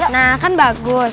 nah kan bagus